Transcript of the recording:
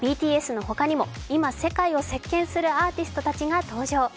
ＢＴＳの他にも、今、世界を席けんするアーティストが登場。